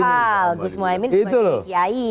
wow gus mohaimin sebagai kiai